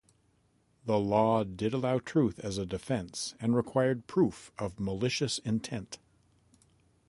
The law did allow truth as a defense and required proof of malicious intent.